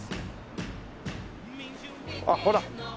あっほら。